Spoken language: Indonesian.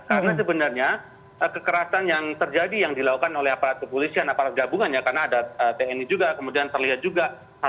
karena sebenarnya kekerasan yang terjadi yang dilakukan oleh aparat kepolisian aparat gabungannya karena ada tni juga kemudian terlihat juga